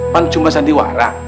pan cuma sandiwara